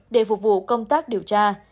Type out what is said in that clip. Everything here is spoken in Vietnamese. để phục vụ công tác điều tra